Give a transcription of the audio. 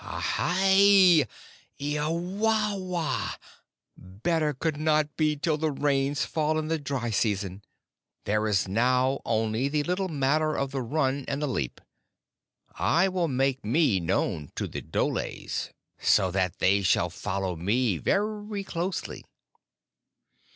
"Ahai! Eowawa! Better could not be till the Rains fall in the dry season. There is now only the little matter of the run and the leap. I will make me known to the dholes, so that they shall follow me very closely."